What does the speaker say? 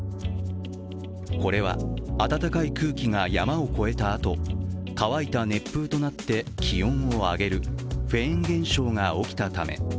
これは暖かい空気が山を越えたあと乾いた熱風となって気温を上げる、フェーン現象が起きたため。